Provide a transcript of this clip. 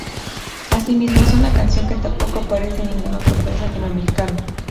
Asimismo, es una canción que tampoco aparece en ningún otro país latinoamericano.